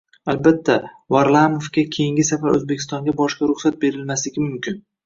Albatta, Varlamovga keyingi safar O'zbekistonga borishga ruxsat berilmasligi mumkin